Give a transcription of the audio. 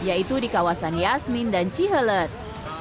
yaitu di kawasan yasmin dan cihelet